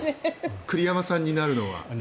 栗山さんになるのは。